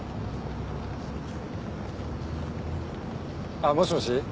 あっもしもし？